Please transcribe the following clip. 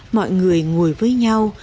mọi người ngồi với nhau